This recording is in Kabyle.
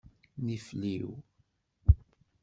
Nifliw.